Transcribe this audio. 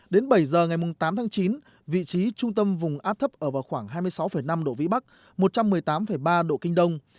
đến bảy giờ ngày tám tháng chín vị trí trung tâm vùng áp thấp ở vào khoảng hai mươi sáu năm độ vĩ bắc một trăm một mươi tám ba độ kinh đông